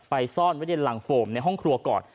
ซ่อนไว้ในรังโฟมในห้องครัวก่อน